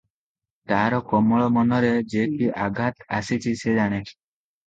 ତାର କୋମଳ ମନରେ ଯେ କି ଆଘାତ ଆସିଚି ସେ ଜାଣେ ।